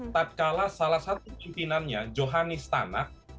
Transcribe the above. tadkala salah satu pimpinannya johanis tanak